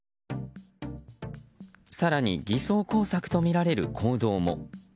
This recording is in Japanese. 更に、偽装工作とみられる行動も。